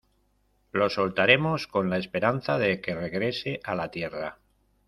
lo soltaremos con la esperanza de que regrese a la tierra